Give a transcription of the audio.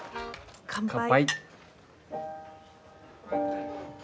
乾杯。